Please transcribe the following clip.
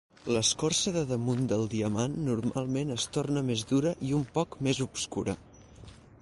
L'escorça de damunt del diamant normalment es torna més dura i un poc més obscura.